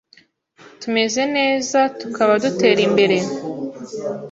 tumeze neza, tukaba dutera imbere,